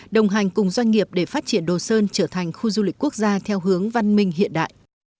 đồng hành cùng doanh nghiệp để phát triển đồ sơn trở thành khu du lịch quốc gia theo hướng văn minh hiện đại